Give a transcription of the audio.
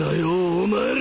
お前ら！